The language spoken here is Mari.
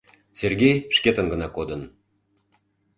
Сергей шкетын гына кодын.